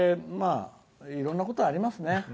いろんなことありますね。